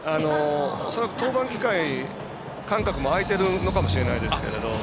登板機会、間隔も開いてるのかもしれないですが。